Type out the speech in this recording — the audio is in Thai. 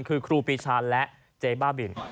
คือครูปีชาและเจ๊บ้าบิน